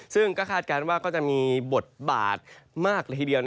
ซึ่งก็คาดการณ์ว่าก็จะมีบทบาทมากเลยทีเดียว